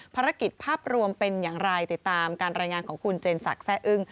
ภารกิจภาพรวมเป็นอย่างไรติดตามการรายงานของคุณเจนศักดิ์แซ่อึ้ง